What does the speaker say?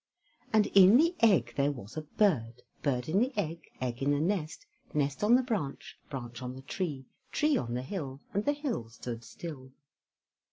And in the egg there was a bird; Bird in the egg, egg in the nest, nest on the branch, branch on the tree, tree on the hill, and the hill stood still.